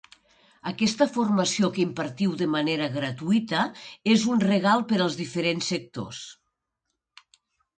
Aquesta formació que impartiu de manera gratuïta, és un regal per als diferents sectors.